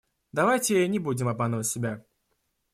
Давайте не будем обманывать себя.